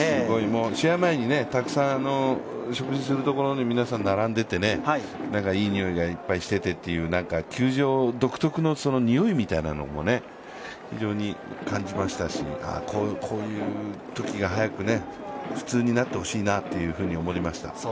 試合前にたくさん食事するところに皆さん並んでいて、いい匂いがいっぱいしててという球場独特のにおいみたいなものも非常に感じましたし、こういう時が早く普通になってほしいなと思いました。